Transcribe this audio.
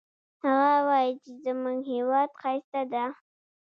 هغه وایي چې زموږ هیواد ښایسته ده